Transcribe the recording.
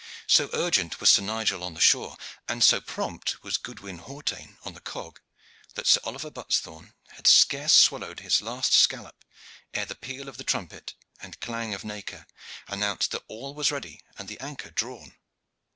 So urgent was Sir Nigel on the shore, and so prompt was Goodwin Hawtayne on the cog, that Sir Oliver Buttesthorn had scarce swallowed his last scallop ere the peal of the trumpet and clang of nakir announced that all was ready and the anchor drawn.